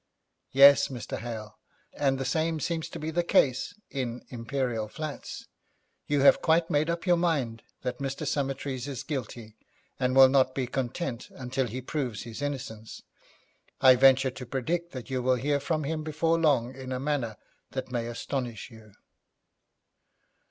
'Yes, Mr. Hale, and the same seems to be the case in Imperial Flats. You have quite made up your mind that Mr. Summertrees is guilty, and will not be content until he proves his innocence. I venture to predict that you will hear from him before long in a manner that may astonish you.'